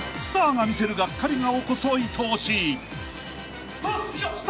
［スターが見せるがっかり顔こそいとおしい］